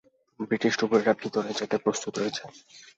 British ডুবুরিরা ভেতরে যেতে প্রস্তুত রয়েছে।